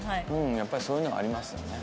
やっぱりそういうのありますね。